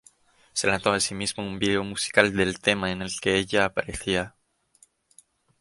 Se lanzó asimismo un vídeo musical del tema en el que ella aparecía.